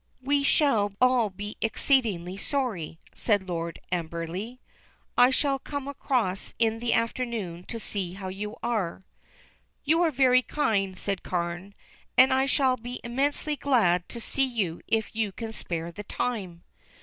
"We shall all be exceedingly sorry," said Lord Amberley. "I shall come across in the afternoon to see how you are." "You are very kind," said Carne, "and I shall be immensely glad to see you if you can spare the time."